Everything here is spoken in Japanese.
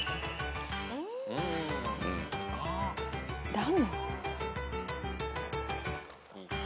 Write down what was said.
ダム？